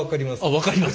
分かります？